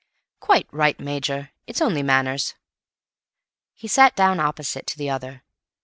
"Quite right, Major; it's only manners." He sat down opposite to the other.